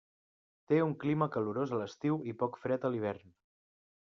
Té un clima calorós a l'estiu i poc fred a l'hivern.